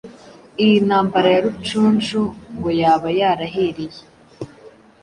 Iyi ntambara ya Rucunshu ngo yaba yarahereye